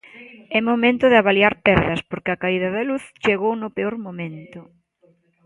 É momento de avaliar perdas, porque a caída da luz chegou no peor momento.